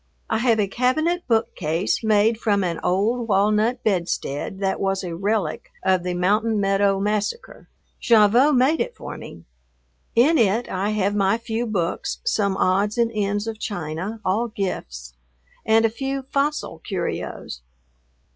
I have a cabinet bookcase made from an old walnut bedstead that was a relic of the Mountain Meadow Massacre. Gavotte made it for me. In it I have my few books, some odds and ends of china, all gifts, and a few fossil curios.